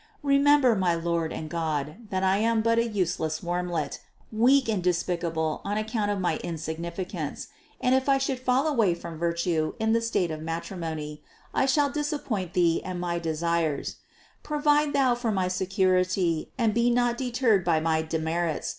Remember, my Lord and God, that I am but a useless wormlet, weak and despicable on account of my insignificance; and if I should fall away from virtue in the state of matrimony, I shall disappoint Thee and my desires; provide Thou for my security and be not deterred by my demerits.